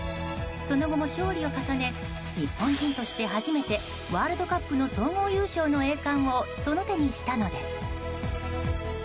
その後も勝利を重ね日本人として初めてワールドカップの総合優勝の栄冠をその手にしたのです。